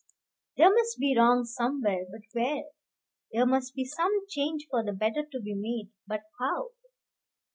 There must be wrong somewhere, but where? There must be some change for the better to be made, but how?